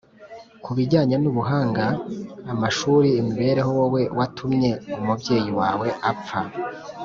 Kubijyanye n ubuhanga amashuli imibereho wowe watumye umubyeyi wawe apfa